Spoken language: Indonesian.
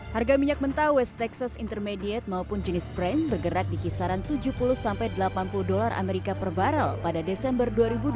harga minyak mentah west texas intermediate maupun jenis prime bergerak di kisaran tujuh puluh delapan puluh dolar amerika per barrel pada desember dua ribu dua puluh dua